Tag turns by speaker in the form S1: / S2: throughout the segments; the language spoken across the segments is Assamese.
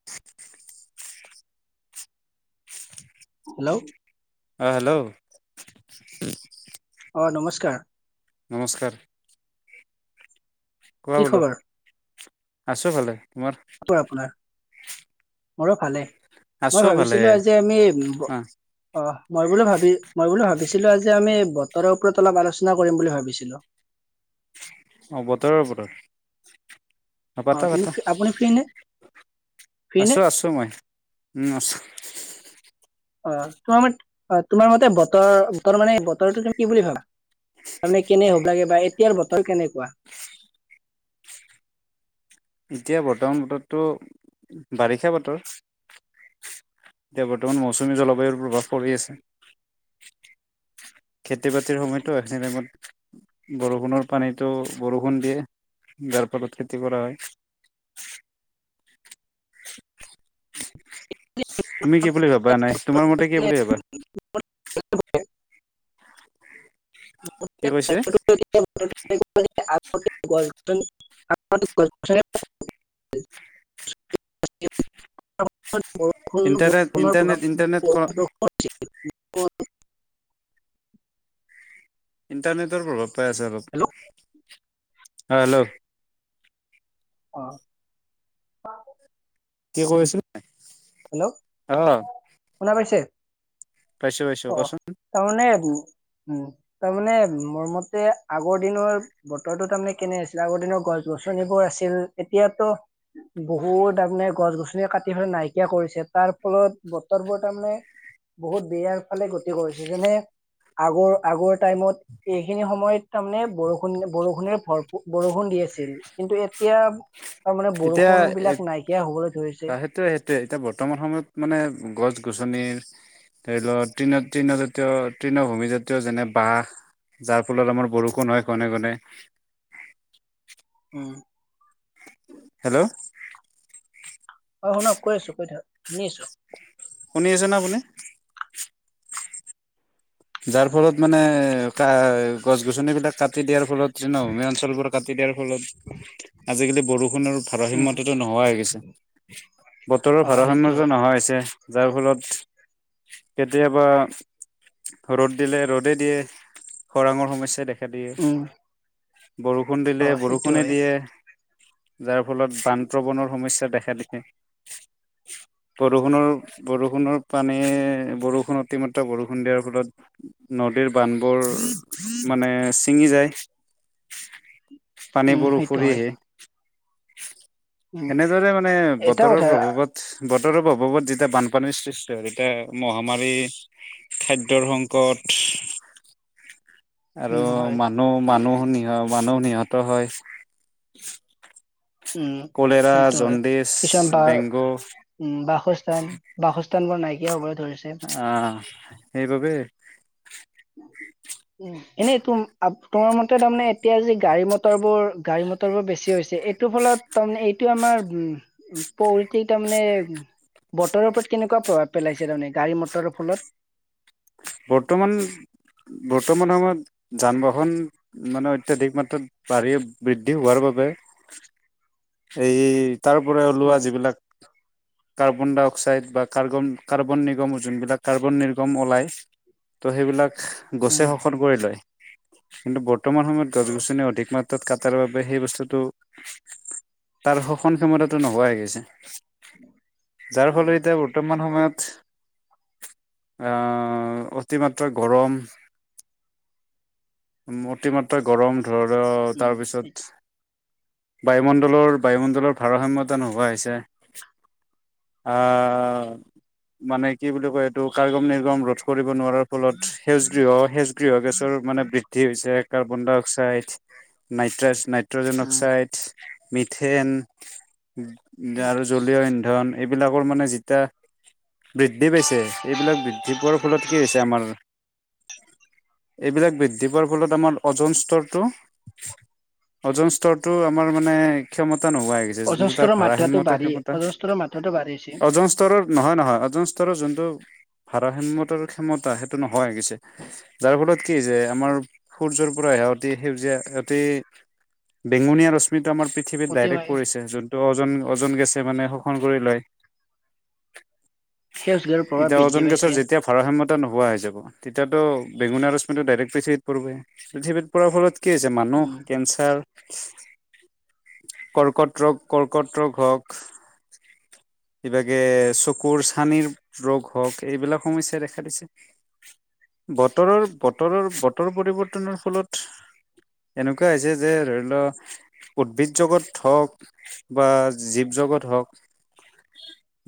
S1: [inaudible]
S2: হেল্ল'
S1: অঁ হেল্ল'
S2: অঁ নমস্কাৰ।
S1: নমস্কাৰ। কোৱা
S2: কি
S1: বোলো
S2: খবৰ
S1: আছোঁ ভালে। তোমাৰ?
S2: আপোনাৰ মোৰো ভালে।
S1: আছো
S2: মই
S1: ভালে
S2: ভাবিছিলোঁ আজি আমি অ মই বোলো ভাবি মই বোলো ভাবিছিলো আজি আমি বতৰৰ ওপৰত অলপ আলোচনা কৰিম বুলি ভাবিছিলোঁ।
S1: অ বতৰৰ বতৰ অ পাতা
S2: তুমি
S1: পাতা,
S2: আপুনি ফ্ৰী নে ফ্ৰী নে
S1: আছো আছো মই উম আছো।
S2: অ তোমাৰ ম অ তোমাৰ মতে বতৰ বতৰ মানে বতৰটো তুমি কি বুলি ভাবা? তাৰমানে কেনে হ'ব লাগে বা এতিয়াৰ বতৰ কেনেকুৱা?
S1: এতিয়া বৰ্তমান বতৰততো বাৰিষা বতৰ। এতিয়া বৰ্তমান মৌচুমী জলবায়ুৰ প্ৰভাৱ পৰি আছে। খেতি বাতিৰ সময়তো এখিনি টাইমত বৰষুণৰ পানীটো বৰষুণ দিয়ে। যাৰ ফলত খেতি কৰা হয়। তুমি কি বুলি ভাবা এনাই তোমাৰ মতে কি বুলি ভাবা? কি কৈছে
S2: [inaudible] [inaudible] [inaudible]
S1: ইণ্টাৰনেট ইণ্টাৰনেট ইণ্টাৰনেট
S2: [unintelligible]
S1: ইণ্টাৰনেটৰ প্ৰভাৱ পাই আছে অলপ,
S2: হেল্ল'
S1: অ হেল্ল'
S2: অ
S1: কি কৈ আছিল
S2: হেল্ল',
S1: অ
S2: শুনা পাইছে?
S1: পাইছো পাইছো
S2: অ
S1: কচোন
S2: তাৰমানে উম উম তাৰমানে মোৰ মতে আগৰ দিনৰ বতৰতো তাৰমানে কেনে আছিলে আগৰ দিনৰ গছ গছনিবোৰ আছিল এতিয়াতো বহুত তাৰমানে গছ-গছনি কাটি হয় নাই কৰিছে তাৰ ফলত বতৰবোৰ তাৰমানে বহুত বেয়াৰ ফালে গতি কৰিছে যেনে আগৰ আগৰ টাইমত এইখিনি সময়ত তাৰমানে বৰষুণ বৰষুণে ভৰপু বৰষুণ দি আছিল। কিন্তু এতিয়া তাৰমানে বৰষুণ
S1: এতিয়া
S2: বিলাক নাইকিয়া হবলৈ ধৰিছে।
S1: তে এতিয়া বৰ্তমান সময়ত মানে গছ-গছনিৰ ধৰি লওক তৃণ তৃণজাতীয় তৃণভূমিজাতীয় যেনে বাঁহ যাৰ ফলত আমাৰ বৰষুণ হয় ঘনে ঘনে।
S2: উম
S1: হেল্ল'
S2: অ শুনক কৈ আছো কৈ থাকক শুনি আছো।
S1: শুনি আছে নে আপুনি? যাৰ ফলত মানে কা গছ-গছনিবিলাক কাটি দিয়াৰ ফলত নমীয়া অঞ্চলবোৰত কাটি দিয়াৰ ফলত আজিকালি বৰষুণৰ
S2: উম
S1: ভাৰসীম্যটোত নোহোৱা হৈ গৈছে। বতৰৰ
S2: অ সেইটো
S1: ভাৰাসাম্যটো
S2: হয়
S1: নহোৱা হৈছে যাৰ ফলত কেতিয়াবা ৰ'দ দিলে ৰ'দেই দিয়ে খৰাঙৰ সমস্যাই দেখা দিয়ে।
S2: উম
S1: বৰষুণ
S2: অ
S1: দিলে
S2: সেইটো
S1: বৰষুণে
S2: হয়
S1: দিয়ে। যাৰ ফলত বানপ্ৰৱনৰ সমস্যা দেখা দিয়ে। বৰষুণৰ বৰষুণৰ পানী বৰষুণ অতিমাত্ৰা বৰষুণ দিয়াৰ ফলত নদীৰ বান্ধবোৰ মানে ছিঙি যায়।
S2: [unintelligible] উম
S1: পানীবোৰ
S2: সেইটো
S1: উফৰি
S2: হয়
S1: আহে।
S2: উম
S1: এনেদৰে মানে
S2: এটা
S1: বতৰৰ
S2: কথা
S1: প্ৰভাৱত বতৰৰ প্ৰভাৱত যেতিয়া বানপানীৰ সৃষ্টি হয় তেতিয়া মহামাৰী খাদ্ দ্যৰসংকট
S2: উম
S1: আৰু
S2: হয়
S1: মান নুহ মানুহ নিহ মানুহ নিহত হয়।
S2: উম
S1: কলেৰা
S2: সেইটো হয়
S1: জণ্ডিচ
S2: কিছুমান তাৰ
S1: ডেংগু
S2: উম বাসস্থান বাসস্থান বোৰ নাইকিয়া হ'বলৈ ধৰিছে।
S1: আ সেইবাবে
S2: নাহি উম এনেই এটো আবতৰ মতে তাৰমানে এতিয়া যি গাড়ী, মটৰ বোৰ গাড়ী মটৰ বোৰ বেছি হৈছে এইট এইটো ফলত তাৰমানে এইটো আমাৰ উম, পৌতি তাৰমানে বতৰৰ ওপৰত কেনেকোৱা প্ৰভাৱ পেলাইছে তাৰমানে গাড়ী মটৰৰ ফলত
S1: বৰ্তমান বৰ্তমান সময়ত যান, বাহন মানে অত্যাধিক মাত্ৰাত বাঢ়ি বৃদ্ধি হোৱাৰ বাবে এই তাৰ পৰা ওলোৱা
S2: উম
S1: যিবিলাক
S2: [unintelligible]
S1: কাৰ্বন ডাই অক্সাইড বা কাৰ্গন কাৰ্বন নিৰ্গম যোনবিলাক কাৰ্বন, নিৰ্গম ওলায়। ত, সেইবিলাক গছে
S2: উম
S1: শোষন কৰি লয়। কিন্তু বৰ্তমান সময়ত গছ,
S2: অ
S1: গছনি অধিক মাত্ হাতত কাটাৰ বাবে সেই বস্তুটো, তাৰ শোষণ ক্ষমতাটো নোহোৱা হৈ গৈছে। যাৰ ফলত
S2: উম
S1: এতিয়া বৰ্তমান সময়ত আঁহ অতিমাত্ৰ গৰম অতিমাত্ৰ গৰম ধৰৰ
S2: উম
S1: তাৰপিছত বায়ুমণ্ডলৰ বায়ুমণ্ডলৰ ভাৰসাম্যতা নোহোৱা হৈছে। অ মানে কি বুলি কয়, এইটো কাৰ্গম নিৰ্গম ৰোধ কৰিব নোৱাৰাৰ ফলত সেজগৃহ, সেচগৃহ গেছৰ মানে বৃদ্ধি হৈছে, কাৰ্বন ডাই অক্স ক্সাইড, নাইটাৰ্চ নাইনাইট্ৰজেন
S2: উম
S1: অক্সাইড, মিথেন [inaudible] ধন এইবিলাকৰ মানে যিতিয়া বৃদ্ধি পাইছে, এইবিলাক বৃদ্ধি পোৱাৰ ফলত কি হৈছে আমাৰ। এইবিলাক বৃদ্ধি পোৱাৰ ফলত আমাৰ ওজন স্তৰটো ওজন স্তনৰতো আমাৰ মানে ক্ষমতা নোহোৱাই গৈছে। যোনটো তাৰ
S2: অজস্ৰ মাত্ৰাটো
S1: ভাৰসাম্য
S2: বাঢ়ি
S1: ক্ষমতা
S2: অজস্ৰ মাত্ৰাটো বাঢ়িছে
S1: অজন স্তৰৰত নহয়, নহয় অজন স্তৰৰত যোনটো ভাৰাসাম্যতৰ ক্ষমতা সেইটো নহয় পিছে। যাৰ ফলত কি হৈছে আমাৰ সূৰ্যৰ পৰা অতি সেউজীয়া অতি বেঙুনীয়া ৰশ্মিটো আমাৰ পৃ থিৱীত ডাইৰেক্ট
S2: অতিমাই
S1: পৰিছে। যোনটো অজন অজন গেছে মানে শোষন কৰি লয়।
S2: সেউজগৃহৰ প্ৰভাৱ
S1: এতিয়া
S2: বৃদ্ধি
S1: অজন গেছৰ
S2: পাইছে
S1: যেতিয়া ভাৰসাম্যতা নোহোৱা হৈ যা'ব, তেতিয়াতো বেঙুনীয়া ৰশ্মিটো ডাইৰেক্ট পৃথিৱীত পৰবই। পৃথিৱীত পৰাৰ ফলত কি হৈছে মানুহ
S2: উম
S1: কেঞ্চাৰ কৰ্কট ৰোগ কৰ্কট ৰোগ হওক সিভাগে চকুৰ চানিৰ ৰোগ হওক এইবিলাক সমস্যাই দেখা দিছে। বতৰৰ বতৰৰ বতৰ পৰিৱৰ্তনৰ ফলত এনেকুৱা হৈছে যে, ধৰি ল উদ্ভিদ জগত হওক বা জীৱ জগত হওক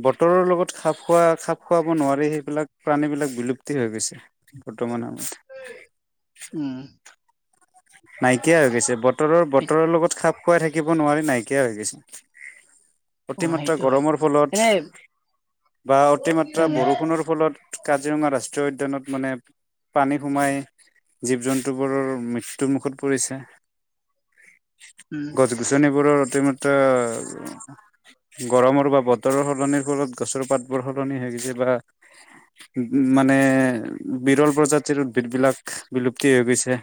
S1: বতৰৰ লগত খাপ খোৱা, খাপ খোৱাব নোৱাৰি সেইবিলাক প্ৰাণী বিলাক বিলুপ্ত তি হৈ গৈছে, বৰ্তমান সমতে।
S2: উম।
S1: নাইকিয়া হৈ গৈছে। বতৰৰ
S2: সেই
S1: বতৰৰ লগত খাপ খুৱাই থাকিব নোৱাৰি নাইকিয়া হৈ গৈছে।
S2: [inaudible]
S1: অতিমাত্ৰা
S2: সেইটো হয়
S1: গৰমৰ ফলত
S2: এনে
S1: বা অতিমাত্ৰা
S2: উম
S1: বৰষুণৰ ফলত কাজিৰঙা ৰাষ্ট্ৰীয় উদ্যানত মানে পানী সোমাই জীৱ জন্তু বোৰৰ মৃ মৃত্যু মুখত পৰিছে।
S2: উম
S1: গছ গছনিৰ বোৰৰ অতিমাত্ৰ গৰমৰ বা বতৰৰ সলনিৰ ফলত গছৰ পাতবোৰ সলনি হৈ গৈছে, বা উম, মানে বিৰল প্ৰজাতিৰ উদ্ভিদ বিলাক বিলুপ্তি হৈ গৈছে।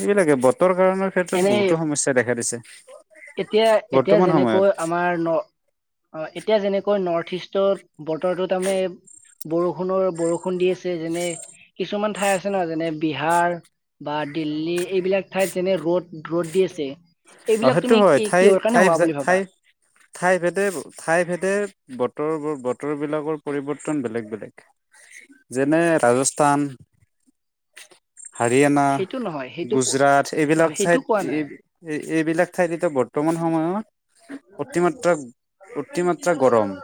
S1: সেইবিলাকে বতৰ কাৰণৰ ক্ষেত্ৰত
S2: এনেই
S1: বহুতো সমস্যা দেখা দিছে।
S2: এতিয়া এতিয়া
S1: বৰ্তমান সময়ত।
S2: যেনেকৈ আমাৰ ন অঁ, এতিয়া যেনেকৈ নৰ্থ ইষ্টৰ বতৰটো তাৰমানে বৰষুণৰ বৰষুণ দি আছে, যেনে কিছুমান ঠাই আছে ন যেনে বিহাৰ বা দিল্লী এইবিলাক ঠাইত যেনে ৰ'দ ৰ'দ দি আছে।
S1: অঁ
S2: এইবিলাক
S1: সেইটো
S2: তুমি
S1: হয়,
S2: কি
S1: ঠাই
S2: কিহৰ কাৰণে
S1: ঠাই
S2: হোৱা বুলি ভাবা
S1: ঠাই ঠাই ভেদে ঠাই ভেদে বতৰ বতৰ বিলাকৰ পৰিৱৰ্তন বেলেগ বেলেগ। যেনে ৰাজস্থান।
S2: সেইটো নহয়
S1: হাৰিয়ানা
S2: সেইটো
S1: গুজৰাট
S2: অ
S1: এইবিলাক
S2: সেইটো কোৱা নাই
S1: চাইত- এই এইবিলাক ঠাইততো বৰ্তমান সময়ত- অতিমাত্ৰা অতিমাত্ৰা গৰম-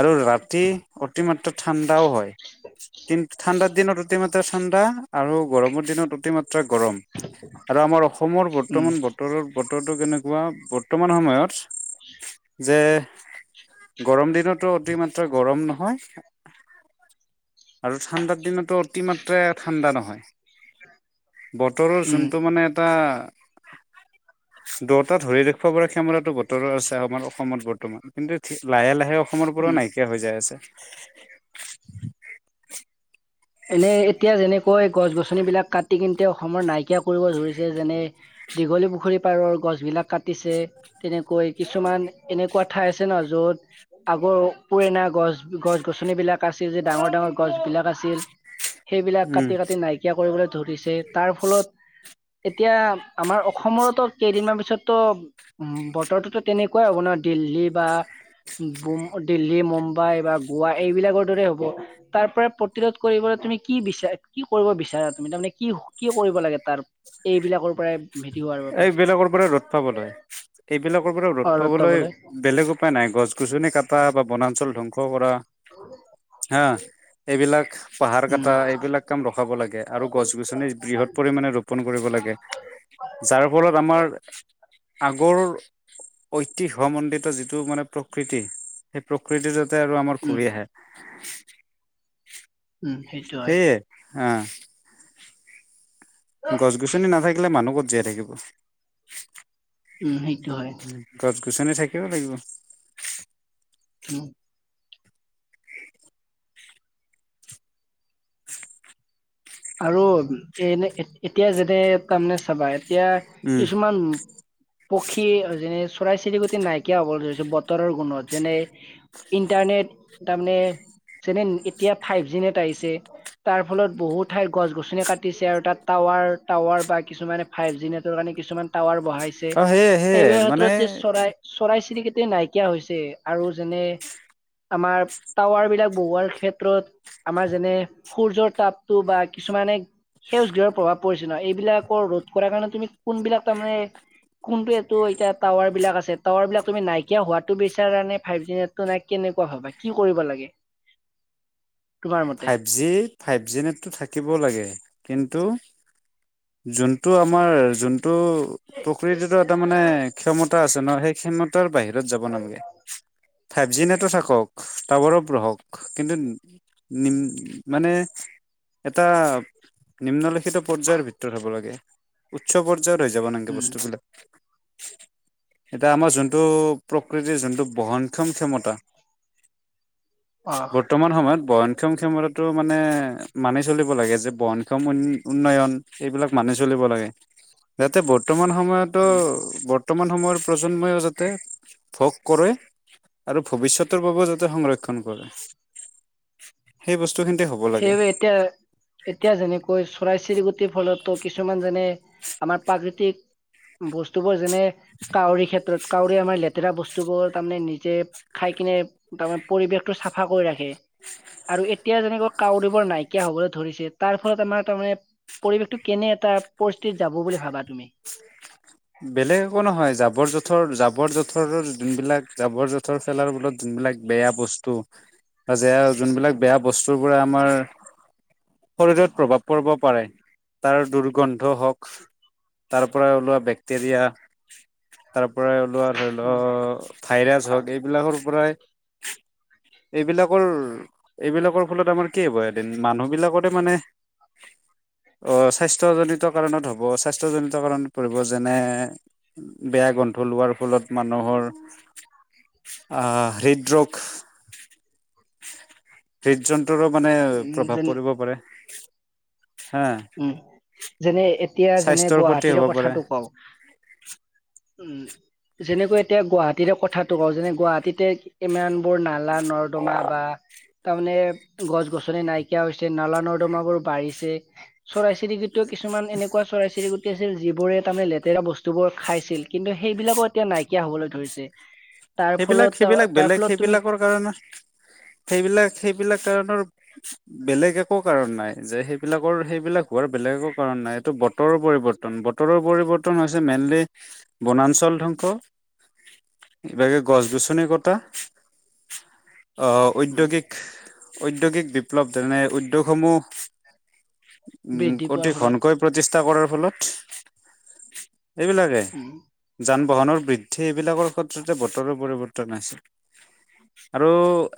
S1: আৰু ৰাতি অতিমাত্ৰ ঠাণ্ডাও হয়। কিন্তু ঠাণ্ডাৰ দিনত অতিমাত্ৰা ঠাণ্ডা আৰু গৰমৰ দিনত অতিমাত্ৰা গৰম। আৰু আমাৰ অসমৰ গো
S2: উম
S1: বতৰ বতৰটো কেনেকুৱা বৰ্তমান সময়ত যে- গৰম দিনতো অতি মাত্ৰা গৰম নহয়- আৰু ঠাণ্ডাৰ দিনতো অতিমাত্ৰে ঠাণ্ডা নহয় আৰু। বতৰৰ
S2: উম
S1: যোনটো মানে এটা- দুটা ধৰি দেখুৱ পৰা ক্ষমতা বতৰৰ আছে আমাৰ অসমত বৰ্তমান কিন্তু- লাহে লাহে অসমৰ পৰাও
S2: উম
S1: নাইকিয়া হৈ যায় আছে।
S2: এনে এতিয়া যেনেকৈ গছ গছন বিলাক কাটি কিন্ততে অসমৰ নাইকিয়া কৰিব ধৰিছে যেনে- দীঘলী পুখুৰী পাৰৰ গছবিলাক কাটিছে- তেনেকৈ কিছুমান এনেকুৱা ঠাই আছে ন য'ত- আগৰ পুৰণা গছ গছ গছনিবিলাক আছিল যে ডাঙৰ ডাঙৰ গছ বিলাক আছিল? সেইবিলাক
S1: উম,
S2: কাটি কাটি নাইকিয়া কৰিবলৈ ধৰিছে তাৰ ফলত- এতিয়া আমাৰ অসমৰতো কেইদিনমান পিছততো উমঁ বতৰটোতো তেনেকুৱাই হ'ব ন দিল্লী বা- বোম দিল্লী মুম্বাই বা গোৱা এইবিলাকৰ দৰে হ'ব তাৰ পৰা প্ৰতিটোধ- কৰিব তুমি কি বিচাৰা কি কৰিব বিচাৰা তুমি তাৰমানে কি কি কৰিব লাগে তাৰ এইবিলাকৰ পৰাই হেৰি হোৱাৰ বাবে
S1: এই বেলেগৰ পৰা ৰ'দ পাবলৈ। এইবিলাকৰ পৰা ৰ'দ পাবলৈ বেলেগ- উপাই নাই গছ গছনি কাটা বা বনাঞ্চল ধ্বংস কৰা- হা এইবিলাক পাহাৰ
S2: উম
S1: কটা এইবিলাক- কাম ৰখাব লাগে আৰু গছ গছনি বৃহৎ পৰিমাণে ৰোপন কৰিব লাগে। যাৰ ফলত আমাৰ- আগৰ ঐতিহ্যমণ্ডিত যিটো মানে প্ৰকৃতি- সেই প্ৰকৃতি যাতে আৰু আমাৰ
S2: উম
S1: ঘূৰি আহে-
S2: উম সেইটো হয়
S1: সেইয়ে অঁ। গছ -গছনি নাথাকিলে মানুহ কত জীয়াই থাকিব।
S2: উম সেইটো হয়
S1: গছ- গছনি থাকিব লাগিব।
S2: উমঁ। আৰু এনে এতিয়া যেনে তাৰমানে চাবা এতিয়া
S1: উম
S2: কিছুমান- পক্ষী যেনে চৰাই চিৰিকটি নাইকিয়া হ'বলৈ ধৰিছে বতৰৰ গুণত যেনে- ইণ্টাৰনেট তাৰমানে- যেনে এতিয়া ফাইভ জি ন এট আহিছে তাৰ ফলত বহুত। ঠাইত গছ -গছনি কাটিছে আৰু তাত টাৱাৰ টাৱাৰ বা কিছুমানে ফাইভ জি নেটৰ কাৰণে কিছুমান- টাৱাৰ বঢ়াইছে
S1: আৰু সেয়ে সেয়ে
S2: এইবিলাক
S1: মানে
S2: ক্ষেত্ৰত যে চৰাই- চৰাই চিৰিকেইতি নাইকিয় হৈছে আৰু যেনে- আমাৰ টাৱাৰ বিলাক বহোৱাৰ ক্ষেত্ৰত আমাৰ যেনে সূৰ্যৰ তাপ- তু বা কিছুমানে- সেউজ গৃহৰ প্ৰভাৱ পৰিছে নয় এইবিলাকৰ ৰোধ কৰাৰ কাৰণে তুমি কোনবিলাক তাৰমানে- কোনটো এইটো এতিয়া টাৱাৰ বিলাক আছে টাৱাৰ বিলাক তুমি নাইকিয়া হোৱাতো বিচাৰা নে ফাইভ জি- নাই কেনেকুৱা হবা কি কৰিব লাগে তোমাৰ মতে-
S1: ফাইভ জি ফাইভ জি নেতো থাকিব লাগে কিন্তু। যোনটো আমাৰ যোন। টো প্ৰকৃতিতো এটা মানে ক্ষমতা আছে নহ সেই ক্ষমতাৰ বাহিৰে। নালে ফাইভ জি নে থাকক টাৱাৰক কিন্তু নিম মানে এটা নিম্নলিখিত পৰ্যায়ৰ ভিতৰত হ'ব লাগে উচ্চ পৰ্যায় জত হৈ যাব নে বস্তুবিলাক
S2: [inaudible]
S1: এতিয়া আমাৰ যোনটো প্ৰকৃতিৰ যোনটো বহনক্ষম ক্ষমতা
S2: [inaudible]
S1: বৰ্তমান সময়ত ব সক্ষম ক্ষমতাটো মানে মানি চলিব লাগে যে বনক্ষম উন্নয়ন এইবিলাক মানি চলিব লাগে যাতে বৰ্তমান সময়তো
S2: উম
S1: বৰ বৰ্তমান সময়ৰ প্ৰজন্মইও যাতে ভোগ কৰে আৰু ভৱিষ্যতৰ বাবেও যাতে সংৰক্ষণ কৰে। সেই বস্তুখিনি হ'ব। লাগে
S2: সেয়াবে এতিয়া এতিয়া যেনেকৈ চৰাই চিৰিকটিৰ ফলতো কিছুমান যেনে আমাৰ প্ৰাকৃতিক বস্তুবোৰ যেনে কাউৰী ক্ষেত্ৰত কাউৰী আমাৰ লেতেৰা বস্তু বসুবোৰ তাৰমানে নিজে খাই কিনে তাৰমানে পৰিৱেশতটো চাফা কৰি ৰাখে। আৰু এতিয়া যেনেকৈ কাউৰীবোৰ নাইকিয়া হবলৈ ধৰিছে তাৰ ফলত আমাৰ তাৰমানে পৰিৱেশটো কেনে এটা পৰিস্থিতিত যাব বুলি ভাবা তুমি।
S1: বেলেগ একো নহয় জাবৰ জোঁথৰ জাবৰ জোঁথৰ যোনবিলাক জাবৰ জোঁথৰ ফেলাৰ ফলত যোনবিলাক বেয়া বস্তু বােয়া যোনবিলাক বেয়া বস্তুৰ পৰা আমাৰ শৰীৰত প্ৰভাৱ পৰিব পাৰে তাৰ দুৰ্গন্ধ হওক তাৰ পৰাই ওলোৱা বেক্টেৰিয়া তাৰ পৰাই ওলোৱা ধৰি লও ভাইৰাছ হওক এইবিলাকৰ পৰাই এইবিলাকৰ এইবিলাকৰ ফলত আমাৰ কি হ'ব এদিন মানুহবিলাকতে মানে অ' স্বাস্থ্যজনিত কাৰণত হ'ব স্বাস্থ্যজনিত কাৰণত পৰিব যেনে বেয়া গ্ৰন্থ লোৱাৰ ফলত মানুহৰ অ' হৃদৰোগ হৃদ। মানে
S2: উম
S1: প্ৰভাৱ
S2: যেন
S1: পৰিব পাৰে হা।
S2: উম যেনে এতিয়া যেনে
S1: স্বাস্থ্যৰ ক্ষতি হ'ব
S2: গুৱাহাটীৰৰে
S1: পাৰে
S2: কথাটো কওঁ। উম যেনেকৈ এতিয়া গুৱাহাটীৰে কথাটো কওঁ যেনে গুৱাহাটীতে ইমান বোৰ নালা নৰ্দমা বা তাৰমানে গছ গছনি নাইকিয়া হৈছে নালা নৰ্দমাবোৰ বাঢ়িছে চৰাই চিৰিকুটও কিছুমান এনেকুৱ চইিৰিুটত আছিল যিবোৰে তাৰমানে লেতেৰা বস্তু বোৰ খাইছিল কিন্তু সেইবিলাকো এতিয়া নাইকিয়া হ'বলৈ ধৰিছে। হয়।
S1: সেইবিলাক সেইবিলাক বেলেগ সেইবিলাকৰ কাৰণে সেইবিলাক সেইবিলাক কাৰণৰ বেলেগ একো কাৰণ নাই যে সেইবিলাকৰ সেইবিলাক হোৱাৰ বেলেগ একো কাৰন নাই এইটো বতৰৰ পৰিৱৰ্তন ন বতৰৰ পৰিৱৰ্তন হৈছে মেইনলি বনাঞ্চল ধ্বংস কিবাকি গছ গছনি কটা অ'
S2: উম,
S1: ঔদ্যোগিক উদ্যোগিক বিপ্লৱ যেনে উদ্যোগসমূহ উ
S2: বৃদ্ধি
S1: অতি
S2: পোৱাৰ ফলত
S1: খনকৈ প্ৰতিষ্ঠা কৰাৰ ফলত এইবিলাকে
S2: উম।
S1: যান বাহনৰ বৃদ্ধি এইবিলাকৰ ওপৰত- ততে বতৰো পৰিৱৰ্তন আছিল। আৰু-